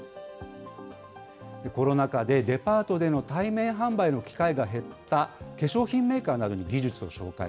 コロナ禍でデパートでの対面販売の機会が減った化粧品メーカーなどに技術を紹介。